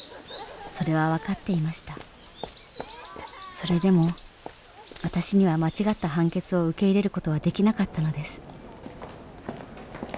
それでも私には間違った判決を受け入れることはできなかったのです